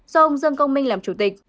do ông dương công minh làm chủ tịch